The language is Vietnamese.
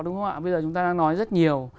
đúng không ạ bây giờ chúng ta đã nói rất nhiều